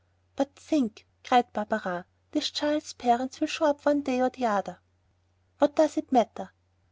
"But think," cried Barberin; "this child's parents will show up one day or the other." "What does that matter?"